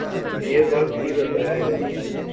یہ وقت ہی بتائے گا۔